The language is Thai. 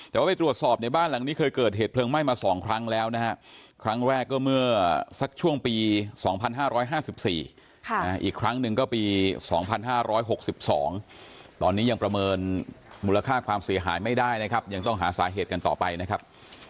แต่ว่าไปตรวจสอบในบ้านหลังนี้เคยเกิดเหตุเพลิงไหม้มา๒ครั้งแล้วนะฮะครั้งแรกก็เมื่อสักช่วงปี๒๕๕๔อีกครั้งหนึ่งก็ปี๒๕๖๒ตอนนี้ยังประเมินมูลค่าความเสียหายไม่ได้นะครับยังต้องหาสาเหตุกันต่อไปนะครับ